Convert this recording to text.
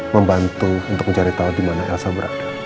membantu untuk mencari tahu dimana elsa berada